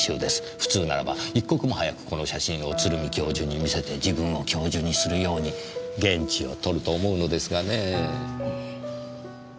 普通ならば一刻も早くこの写真を鶴見教授に見せて自分を教授にするように言質を取ると思うのですがねぇ。